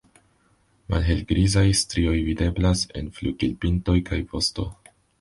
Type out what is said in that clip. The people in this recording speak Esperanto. Malhelgrizaj strioj videblas en flugilpintoj kaj vosto.